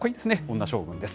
女将軍です。